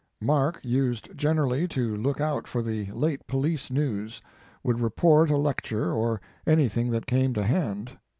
Mark used gen erally to look out for the late police news, would report a lecture or anything that came to hand.